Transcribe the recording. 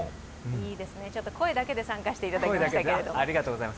いいですね、声だけで参加していただきましたが。